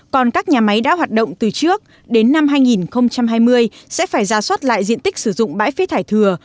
còn các nhà máy đã hoạt động từ trước đến năm hai nghìn hai mươi sẽ phải ra soát lại diện tích sử dụng bãi phế thải thừa